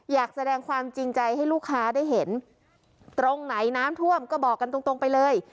อยากแสดงความจริงใจให้ลูกค้าได้เห็นตรงไหนน้ำท่วมก็บอกกันตรงตรงไปเลย